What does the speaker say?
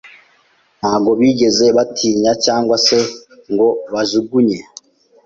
ntago bigeze bantinya cyangwa se ngo banjugunye